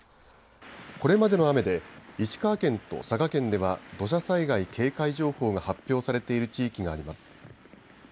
これまでの雨で石川県と佐賀県では土砂災害警戒情報が発表されている地域があります。